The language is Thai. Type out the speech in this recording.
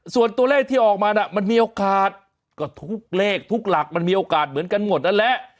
ส่วนตัวเลขที่ออกมาน่ะมันมีโอกาสก็ทุกเลขทุกหลักมันมีโอกาสเหมือนกันหมดนั่นแหละ